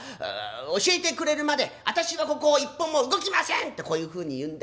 『教えてくれるまで私はここを一歩も動きません』ってこういうふうに言うんだ。